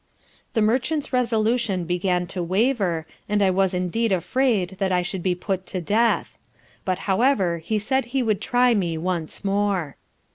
The merchant's resolution began to waver, and I was indeed afraid that I should be put to death: but however he said he would try me once more.